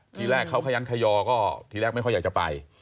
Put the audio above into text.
ทีแรกเขาขยันขยอก็ทีแรกไม่ค่อยอยากจะไป